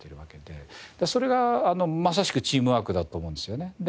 それがまさしくチームワークだと思うんですよね。